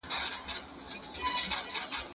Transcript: ماشومان له موبایل څخه لرې وساتئ.